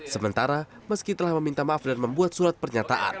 sementara meski telah meminta maaf dan membuat surat pernyataan